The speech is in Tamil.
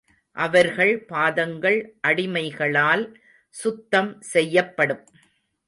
அவர்கள் பாதங்கள் அடிமைகளால் சுத்தம் செய்யப்படும்.